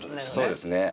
そうですね。